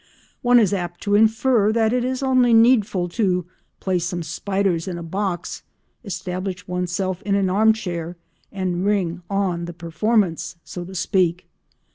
One is apt to infer that it is only needful to place some spiders in a box, establish oneself in an arm chair, and ring on the performance, so to speak.